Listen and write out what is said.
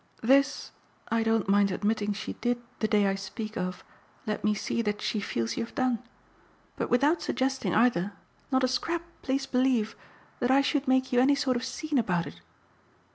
This I don't mind admitting she did, the day I speak of, let me see that she feels you've done; but without suggesting either not a scrap, please believe that I should make you any sort of scene about it.